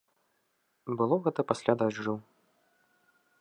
Было гэта пасля дажджу.